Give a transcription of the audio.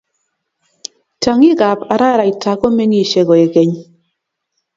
Tiongik ab araraita ko mengishe koek keny